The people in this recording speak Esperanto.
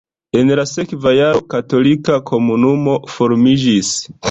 En la sekva jaro katolika komunumo formiĝis.